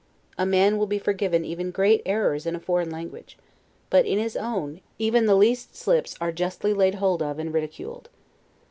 A man will be forgiven even great errors in a foreign language; but in his own, even the least slips are justly laid hold of and ridiculed.